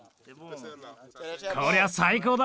こりゃ最高だ！